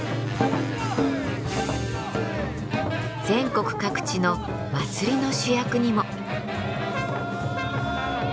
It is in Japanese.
全国各地の祭りの主役にも。